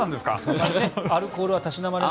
アルコールはたしなまれない？